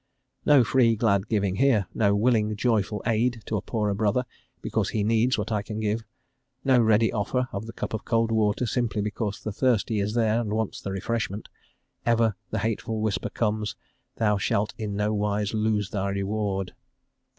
"* No free, glad giving here; no willing, joyful aid to a poorer brother, because he needs what I can give; no ready offer of the cup of cold water, simply because the thirsty is there and wants the refreshment; ever the hateful whisper comes: "thou shalt in no wise lose thy reward."